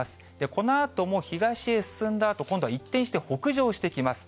このあとも東へ進んだあと、今度は一転して北上してきます。